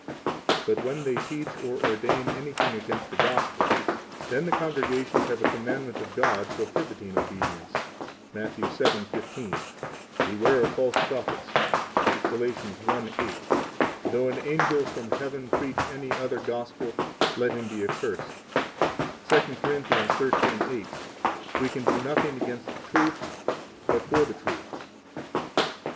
23 But when they teach or ordain anything against the Gospel, then the congregations have a commandment of God prohibiting obedience, Matt. 7:15: Beware of false prophets; 24 Gal. 1:8: Though an angel from heaven preach any other gospel, let him be accursed; 25 2 Cor. 13:8: We can do nothing against the truth, but for the truth.